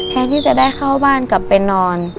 แทนที่จะได้เข้าบ้านกลับไปนอน